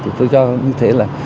thì tôi cho như thế là